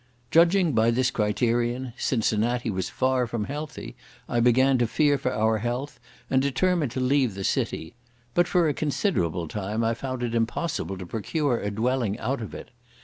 Judging, by this criterion, Cincinnati was far from healthy, I began to fear for our health, and determined to leave the city; but, for a considerable time I found it impossible to procure a dwelling out of it.